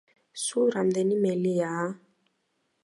სულ რამდენი მელიაა?